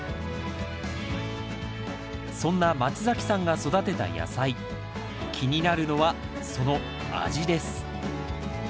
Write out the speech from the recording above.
そんな松崎さんが育てた野菜気になるのはその味です